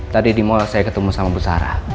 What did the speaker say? tadi di mall saya ketemu sama butara